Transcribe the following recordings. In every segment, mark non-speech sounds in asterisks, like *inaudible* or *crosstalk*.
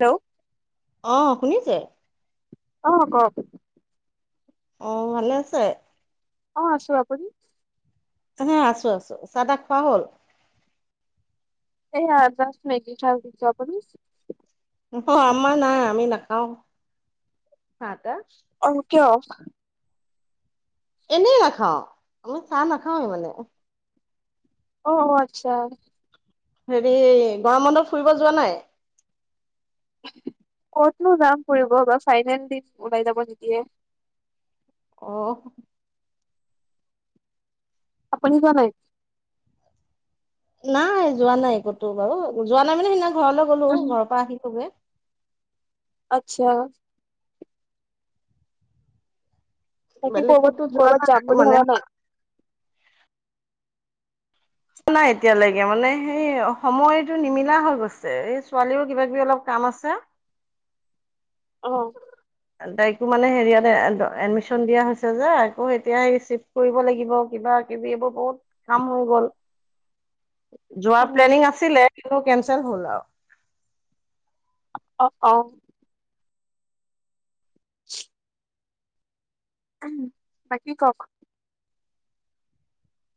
Hello অ, শুনিছে? অ, ক'ক। অ, ভালে আছে? অ, আছো আপুনি? হা আছো আছো চাহ তাহ খোৱা হ'ল? এইয়া জাষ্ট মেগী খাই উঠিছোঁ। আপুনি? অ আমাৰ নাই আমি নাখাও চাহ টাহ। অহ, কিয়? এনেই নাখাওঁ, আমি চাহ নাখাওঁৱে মানে। অ অ আচ্ছা। হেৰি গৰম বন্ধত ফুৰিব যোৱা নাই? ক'তনো যাম ফুৰিব বা ফাইনেল দিম ওলাই যাব নিদিয়ে। অহ। আপুনি যোৱা নাই? নাই যোৱা নাই ক'তো বাৰু যোৱা নাই মানে সেইদিনা ঘৰলৈ গ'লো উম ঘৰৰ পৰা আহি তবে আচ্ছা। বাকি বেলেগ ক'তো ক'ৰবাত যোৱা ক'ৰবাত নাই যাম বুলি মানে ভাবা নাই? নাই এতিয়ালৈকে মানে সেই সময়টো নিমিলা হৈ গৈছে এই ছোৱালীও কিবা কিবি অলপ কাম আছে। অ। আন তাইকো মানে হেৰিয়াত এডমিশ্যন দিয়া হৈছে যে আকৌ এতিয়া শিব- কৰিব লাগিব কিবা কিবি এইবোৰ বহুত কাম হৈ গ'ল। যোৱা অ প্লেনিং আছিলে কিন্তু কেনচেল হ'ল আও। অ অহ। *inaudible* বাকী কওক?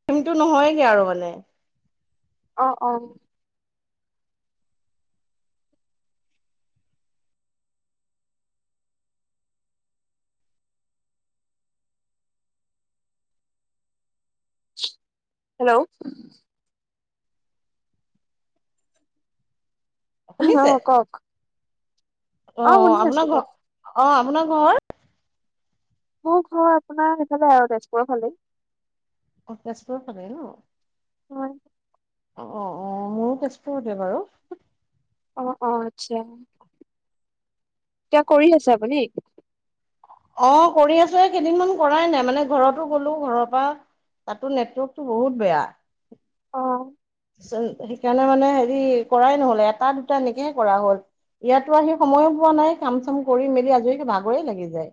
সিন্তু নহয়গে আৰু মানে। অ অ হেল্ল', শুনিছে *unintelligible* ক'ক? অ অ আপোনাৰ ঘৰ, কওক অ আপোনাৰ ঘৰ? মোৰ ঘৰ আপোনাৰ সেইফালে আৰু তেজপুৰৰ ফালেই। অহ তেজপুৰৰ ফালে ন। হয়। অ অ অ মোৰো তেজপুৰতে বাৰু। অ'হ, অ'হ আচ্ছা। এতিয়া কৰি আছে আপুনি। অ কৰি আছো এই কেইদিনমান কৰাই নাই মানে ঘৰতো গলো ঘৰৰ পা তাতো নেটৱৰ্কতটো বহুত বেয়া। অহ। সেইকাৰণে মানে হেৰি কৰাই নহল এটা দুটা এনেকে কৰা হ'ল। ইয়াতো আহি সময়ো পোৱা নাই কাম চাম কৰি মেলি আজৰিকে ভাগৰে লাগি যায়।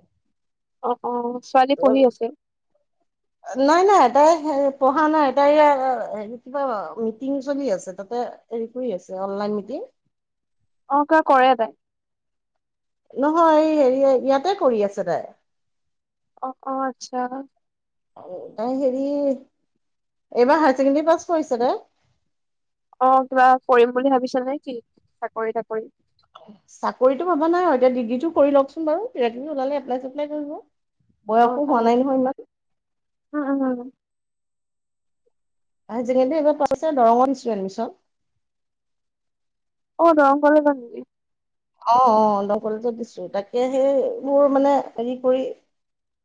অহ অহ ছোৱালী পঢ়ি আছে। নাই নাই এটাই পঢ়া নাই এটাই *unintelligible* কিবা মিটিং চলি আছে তাতে হেৰি কৰি আছে অনলাইন মিটিং। অ কয় কৰে তাই। নহয় এই হেৰিয় ইয়াতে কৰি আছে তাই। অ'হ, অ'হ আচ্ছা। আৰু তাই হেৰি এইবাৰ হায়াৰ ছেকেণ্ডৰী পাছ কৰিছে দে। অ কিবা কৰিম বুলি ভাবিছ নেকি? চাকৰি তাকৰি। চাকৰিতটো ভাবা নাই, এতিয়া ডিগ্ৰীটো কৰি লওকচোন বাৰু কিবা কিবি ওলালে এপলাই চেপলাই কৰিব। অ বয়সো অ হোৱা নাই নহয় ইমান। উম, উম, উম। আজিকালি এইবাৰ পাছ হৈছে দৰঙত দিছে এডমিশ্যন। অ দৰঙ কলেজত নেকি? অহ অহ দৰঙ কলেজত দিছো তাকে সেইবোৰ মানে হেৰি কৰি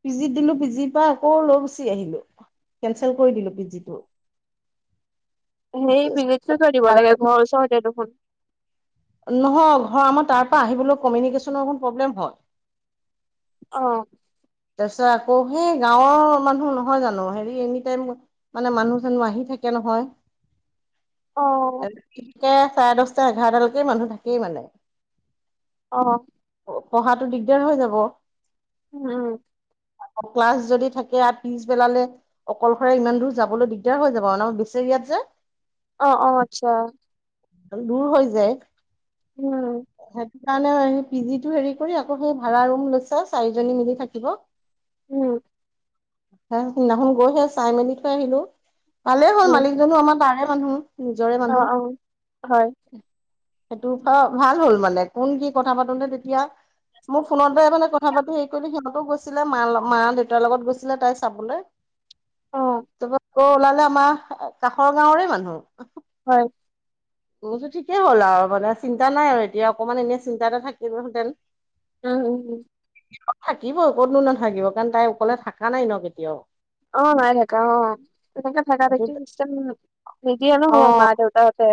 পিজিত দিলো পিজিৰ পৰা আকৌ লৈ গুচি আহিলো কেনচেল কৰি দিলো পি জি টো। *unintelligible* সেই বিবেক দিব লাগে ঘৰওচৰতে দেখোন। নহয়, ঘৰ আমাৰ তাৰ পৰা আহিবলৈ কমিউনিকেশ্বনৰ অকণ প্ৰব্লেম হয়। অ'হ। তাৰপিছত আকৌ সেই গাঁৱৰ মানুহ নহয় জানো হেৰি এনি টাইম- মানে মানুহ জানোহ আহি থাকে নহয়। অ তাকে চাৰে দহটা এঘাৰটালৈকে মানুহ থাকেই মানে। অ'হ। পঢ়াতো দিগদাৰ হৈ যাব। উ'ম। ক্লাছ যদি থাকে ইয়াত পিছবেলালে- অকলশৰে ইমান দূৰ যাবলৈ দিগদাৰ হৈ যাব ন বেচ ইয়াত যে। অ'হ, অ'হ আচ্ছা। দৰ হৈ যায়। উ'ম। সেইটো কাৰণে সেই পি জি টো হেৰি কৰি আকৌ সেই ভাড়া ৰুম লৈছে চাৰিজনী মিলি থাকিব। উ'ম। হ সেইদিনাখন গৈহে চাই মেলি থৈ আহিলো, ভালেই হ'ল উম মালিকজনো আমাৰ তাৰে মানুহ। নিজৰে অ মানুহ, অ হয় সেইটো ভাল হ'ল মানে কোন কি কথা পাতোতে তেতিয়া- মোক ফোনতে এফালে কথা পাতি হেৰি কৰিলেছে সিহঁতো গৈ- ছিলে মা মা দেউতাৰ লগত গৈছিলে তাই চাবলৈ। অ তা- আকৌ ওলালে আমাৰ কাষৰ গাঁৱৰে মানুহ। হয়। *unintelligible* তোৰ যে ঠিকেই হ'ল আও মানে চিন্তা নাই আৰু এতিয়া অকমান এনে চিন্তা এটা থাকিলহেঁতেন। উম উম উম থাকিব কতনো নাথাকিব কাৰণ তাই অকলে থাকা নাই ন কেতিয়াও। অঁ- নাই থাকা অঁ তেনেকে থাকা থাকি চিষ্টেম- নিদিয়ে নহয় অ মা দেউতাহঁতে।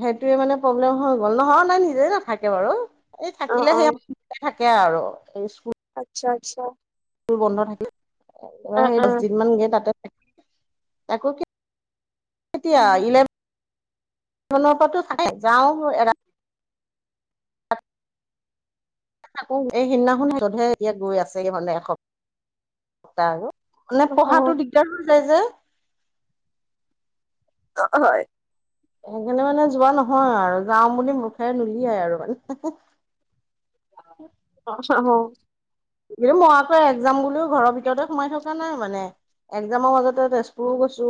সেইটোৱে মানে প্ৰব্লেম হৈ গ'ল, নহয় নাই নিজেই নাথাকে বাৰু এই অ থাকিলে অ সে- থাকে আৰু এই স্কুল। আচ্ছা আচ্ছা। স্কুল বন্ধ থাকিল, অ সেই দচ দিন মান গে তাতে থাকে, আকৌ সি এতিয়া অ ইলেভে- নৰপৰতো থাকে যাওঁ গে এৰা। থাকোঁ এই সিদিনাখন হতহোত গৈ আছে মানে এসপ। টা আৰু মানে হয় পঢ়াটো দিগদাৰ হৈ যায় যে। অ হয় সেইকাৰণে মানে যোৱা নহয় আৰু, যাওঁ বুলি মুখেৰে নুলিয়াই আৰু মানে, অ হ হ, কিন্তু মই আকৌ এক্সাম বুলিও ঘৰৰ ভিতৰতে সোমাই থকা নাই মানে। এক্সামৰ মাজতে তেজপুৰো গৈছো,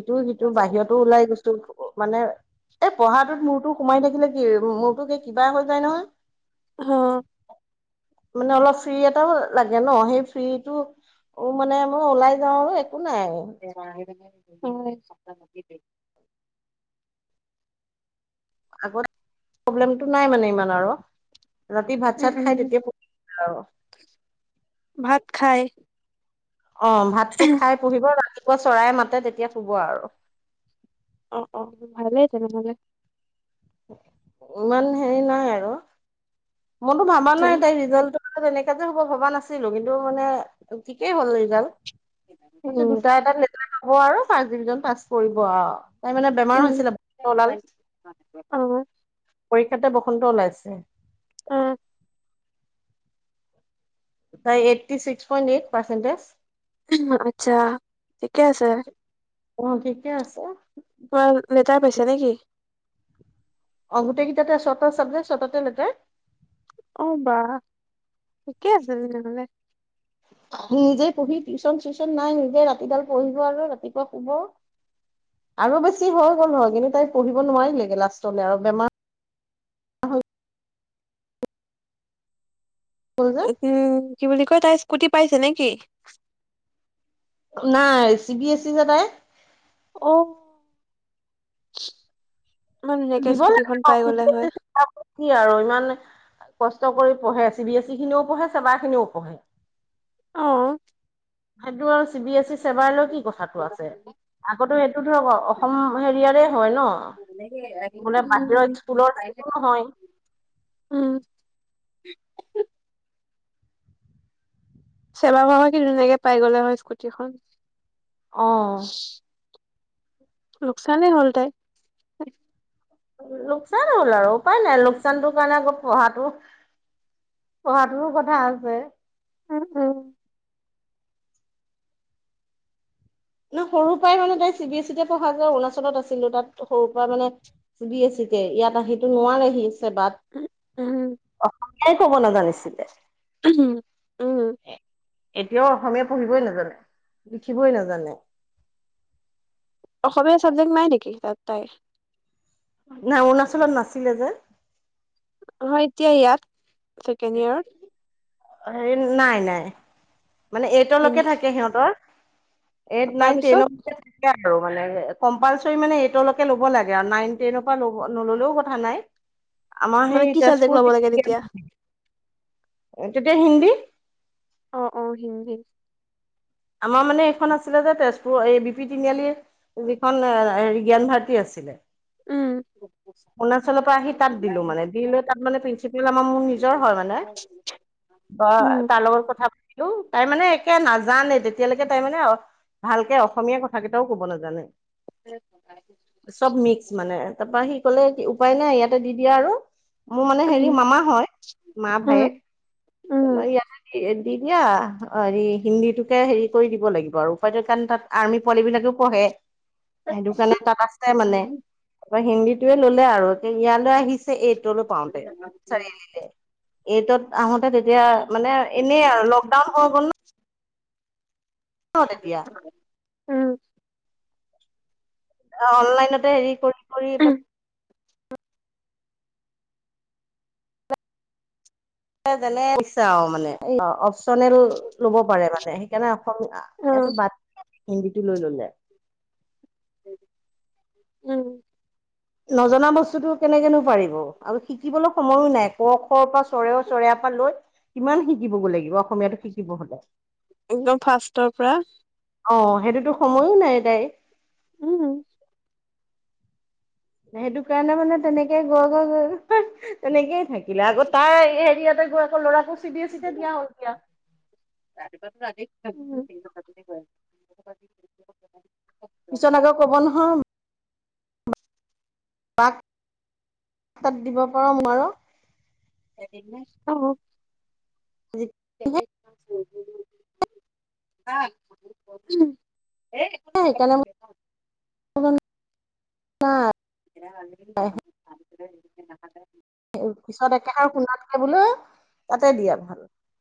ইটোও সিটো হয় বাহিৰতো ওলাই গৈছো। মানে এই পঢ়াটোত মূৰতো সোমাই থাকিলে কি মূৰটো কিবা হৈ যায় নহয়। হ মানে অলপ ফ্ৰী এটাও লাগে ন সেই ফ্ৰী টো উম, মানে মই ওলাই যাও আৰু। একো নাই *unintelligible* আগত প্ৰব্লেমটো নাই মানে ইমান আৰু। ৰাতি ভাত উম চাত উম খাই তেতিয়া আৰু। ভাত খাই অ, ভাতটো খাই পুহিব ৰাতিপুৱা চৰাই মাতে তেতিয়া শুব আৰু। অ', অ', ভালেই তেনেহলে ইমান হেৰি নাই আৰু মইতো ভাবা নাই তাই ৰিজাল্টটো তেনেকা যে হ'ব ভবা নাছিলো কিন্তু মানে ঠিকেই হ'ল ৰিজাল্ট তাতে উম দুটা এতাত লেটাৰ পাব আৰু ফাৰ্ষ্ট ডিভিজন পাছ কৰিব আৰু। তাই মানে বেমাৰ হৈছিলে বসন্ত ওলাল। অ', পৰীক্ষাতে বসন্ত ওলাইছে। অ', তাইৰ eighty six point eight percentage. আচ্ছা ঠিকে আছে। অ, ঠিকে আছে। কোৱা লেটাৰ পাইছে নেকি? অ, গোটেইকেইটাতে ছটা চাবজেক্ট ছতাতে লেটাৰ। অ, বা ঠিকে আছে তেনেহলে। *inaudible* নিজে পঢ়ি টিউশচন চিচন নাই নিজে ৰাতিডাল পঢ়িব আৰু ৰাতিপুৱা শুব। আৰু বেছি হৈ গ'ল নহয় কিন্তু তাই পঢ়িব নোৱাৰিলেগে লাষ্টলৈ আৰু বেমাৰ। ক'ল য। উম, কি বুলি কয় তাইৰ স্কুটি পাইছে নে কি? নাই চি বি এছ ই যে তাই। অ, মই ধুনীয়াকে দিব লাগে স্কুটিখন অ পাই চি গলে বি এছ হয়। ই কি আৰু ইমান কষ্ট কৰি পঢ়ে চি বি এছ ই খিনিও পঢ়ে চেবা খিনিও পঢ়ে। অ', সেইটো আৰু চি বি এছ ই চেবাই লৈ কি কথা। কথাটো আছে আগতে সেইটো ধৰক অসম হেৰিয়াৰে হয় ন। মানেকে বোলে বাহিৰত স্কুলৰ সেইটো নহয়। উম ছেবা হোৱা হয় কি ধুনীয়াকে পাই গ'লে হয় স্কুটিখন। অ', লোকচানেই হ'ল তাইৰ। লোকচান হ'ল আৰু উপায় নাই লোকচানটোৰ কাৰণে আকৌ পঢ়াটো পঢ়াতো কথা আছে। উম-উম। ন সৰু পৰাই মানে তাই চি বি এছ ই তে পঢ়া যায় অৰুণাচলত আছিলো তাত সৰুৰ পৰা মানে। চি বি এছ চি তে ইয়াত আহি নোৱাৰেহি। বাট উম অসমীয়াই ক'ব নাজানিছিলে। উম, উম। এতিয়াও অসমীয়া পঢ়িবই নাজানে লিখিবই নাজানে। অসমীয়া চাবজেক্ট নাই নেকি তাত তাই। নাই অৰুণাচলত নাছিলে যে। নহয় এতিয়া ইয়াত ছেকেণ্ড ইয়েৰত। অ হেৰি নাই নাই। মানে এইটলৈকে হিন্দী থাকে সিহঁতৰ এইট, নাইন, তাৰপিছত টেনৰত তাকে আৰু মানে কম্পালচৰি মানে এইটলৈকে ল'ব লাগে আৰু নাইন টেনৰ পৰা ল নললেও কথা নাই। আমাৰ মানে সেই কি চাবজেক্ট তেজপুৰ ল'ব লাগে তেতিয়া যিখিনি তেতিয়া হিন্দী। অ', অ', হিন্দী। আমাৰ মানে এইখন আছিলে যে তেজপুৰ এই বি পি তিনিআলি। যিখন হেৰি জ্ঞান ভাৰতী আছিলে। উম, অৰুণাচলৰ পৰা আহি তাত দিলো মানে দিলৈ তাত মানে প্ৰিন্সিপাল আমাৰ মোৰ নিজৰ হয় মানে। বা উম তাৰ লগত কথা পাতিলো তাই মানে একে নাজানে তেতিয়ালৈকে তাই মানে। ভালকে অসমীয়া কথা কেইটাও কব নাজানে। চব মিক্স মানে তাৰপৰা সি কলে উপায় নাই ইয়াতে দি দিয়া আৰু। মোৰ মানে হেৰি উম মামা হয় মা উম ভায়েক উম তাপা ইয়াক। দি দিয়া হেৰি হিন্দীটোকে হেৰি কৰি দিব লাগিব আৰু উপায়টো কাণ তাত। আৰ্মি পোৱালিবিলাকেও পঢ়ে। সেইটো কাৰণে তাত আছে মানে হিন্দীটোয়ে ললে আৰু ইয়ালৈ আহিছ এইটলৈ পাওতে চাৰিআলিলে এইটত আহোতে তেতিয়া। মানে এনেই আৰু লকডাউন হৈ গ'ল। ন এতিয়া। উম অ অনলাইনতে হেৰি কৰি কৰি। উম। যেনে যেনে পঢ়িছে অ মানে *unintelligible* টনেল ল'ব পাৰে মানে সেইকাৰণে অসমীয়া অ উম ইয়াটো বাদ হিন্দীটো লৈ ললে। উম। নজনা বস্তুতটো কেনেকেনো পাৰিব আৰু শিকিবলৈ সময়ো নাই ক খ পৰা চৰেঅ চৰেয়া পৰা লৈ। কিমান শিকিব গৈ লাগিব অসমীয়াটো শিকিব হ'লে। একদম ফাৰ্ষ্টৰ পৰা অ সেইটোতো সময়ো নাই তাইৰ উম সেইটো কাৰণে মানে তেনেকে গৈ-গৈ-গৈ তেনেকেই থাক কিলে আকৌ তাই হেৰিয়াতে গৈ আকৌ ল'ৰাকো চি বি চিতে দিয়া হল এতিয়া *unintelligible* পিছত আকৌ ক'ব নহয়। বাক তাত দিব পাৰ মোক নোৱাৰ। অ। কাক, উম, এই সেইকাৰণে। *unintelligible* *unintelligible* পিছত একেষাৰ শুনাতকে বোলো তাতে দিয়া ভাল।